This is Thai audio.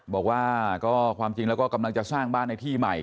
บอกว่าก็ความจริงแล้วก็กำลังจะสร้างบ้านในที่ใหม่